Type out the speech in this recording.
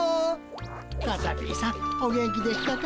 カタピーさんお元気でしたか。